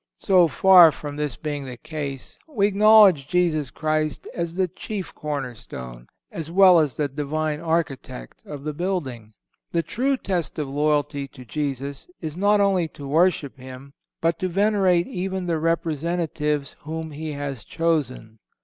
So far from this being the case, we acknowledge Jesus Christ as the "chief cornerstone," as well as the Divine Architect of the building. The true test of loyalty to Jesus is not only to worship Him, but to venerate even the representatives whom He has chosen.